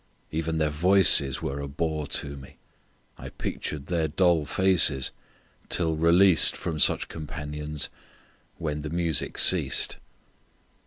Even their voices were a bore to me; I pictured their dull faces, till released From such companions, when the music ceased.